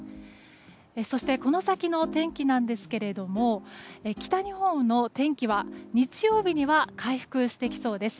そして、この先の天気ですが北日本の天気は日曜日には回復してきそうです。